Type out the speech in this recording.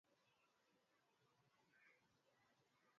wowote Kuondoka msituni nikiwa peke yangu Antonio